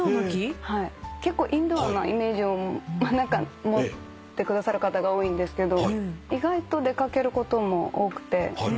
結構インドアなイメージを持ってくださる方が多いですけど意外と出掛けることも多くて。